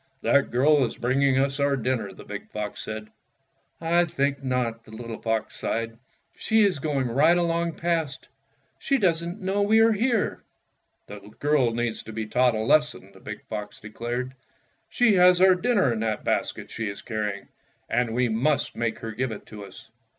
''That girl is bringing us our dinner,'' the big fox said. "I think not," the little fox sighed. "She is going right along past. She does n't know we are here." "The girl needs to be taught a lesson," the big fox declared. " She has our dinner in that basket she is carrying, and we must make her give it to us."